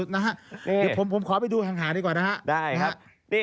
เดี๋ยวผมขอไปดูห่างดีกว่านะครับ